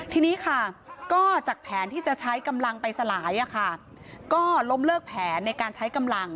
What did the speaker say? ทีนี้ค่ะก็จากแผนที่จะใช้กำลังไปสลายก็ล้มเลิกแผนในการใช้กำลัง